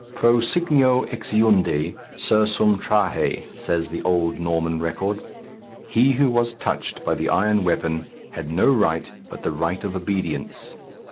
Pro signo exeundi, sursum trahe, says the old Norman record. He who was touched by the iron weapon had no right but the right of obedience.